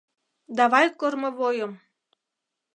— Давай кормовойым!